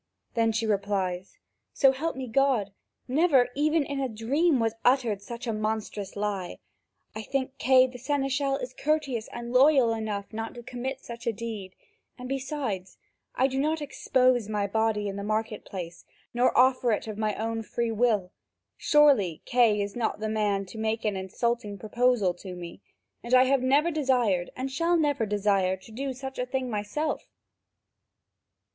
Then she replies: "So help me God, never even in a dream was uttered such a monstrous lie. I think Kay the seneschal is courteous and loyal enough not to commit such a deed, and besides, I do not expose my body in the market place, nor offer it of my own free will. Surely, Kay is not the man to make an insulting proposal to me, and I have never desired and shall never desire to do such a thing myself."